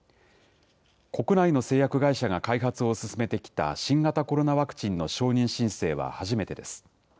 国内の製薬会社が開発を進めてきた新型コロナワクチンの承認申請は初めてです。